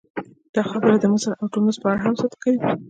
دا خبره د مصر او ټونس په اړه هم صدق کوي.